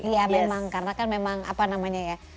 iya memang karena kan memang apa namanya ya